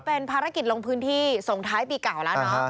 คือเป็นภารกิจลองพื้นที่ส่วนท้ายปีกล่าวแล้วช่อยครับ